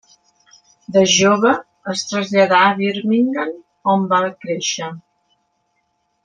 De jove es traslladà a Birmingham, on va créixer.